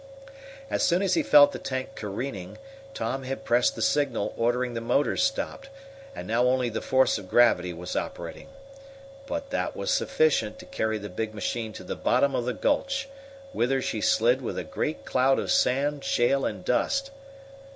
As soon as he felt the tank careening, Tom had pressed the signal ordering the motors stopped, and now only the force of gravity was operating. But that was sufficient to carry the big machine to the bottom of the gulch, whither she slid with a great cloud of sand, shale and dust.